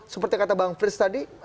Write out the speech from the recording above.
seperti kata bang frits tadi